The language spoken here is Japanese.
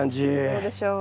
どうでしょう？